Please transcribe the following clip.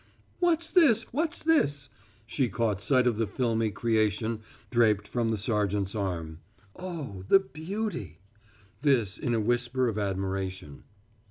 "What's this what's this?" She caught sight of the filmy creation draped from the sergeant's arm. "Oh, the beauty!" This in a whisper of admiration.